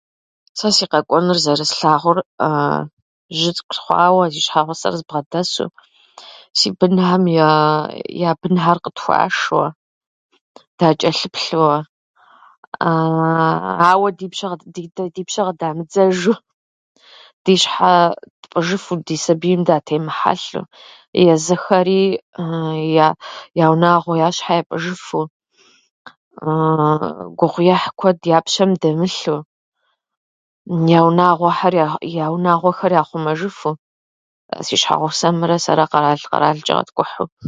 Сэ си къэкӏуэныр зэрыслъагъур жьы цӏыкӏу сыхъуауэ, си щхьэгъусэр збгъэдэсу, си бынхьэм я- я бынхьэр къытхуашэуэ, дачӏэлъыплъыуэ, ауэ ди пщэ -къыд ди- дэ ди пщэ къыдамыдзэжу. Дэ ди щхьэ тпӏыжыфу, ди сабийм датемыхьэлъэу. Езыхэри я- я унагъуэ, я щхьэ япӏыжыфу, гугъуехь куэд я пщэм дэмылъу, я унагъуэхьэр- я унагъуэхэр яхъумэжыфу, си щхьэгъусэмрэ сэрэ къэрал-къэралчӏэ къэткӏухьыу.